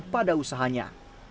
pengaruh pada usahanya